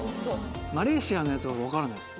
マレーシアのやつ分からないです。